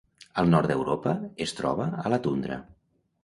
Al nord d'Europa es troba a la tundra.